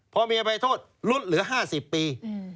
พอมีอภัยโทษลดเหลือ๕๐ปี